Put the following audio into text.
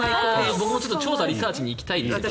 僕も調査・リサーチ行きたいですね。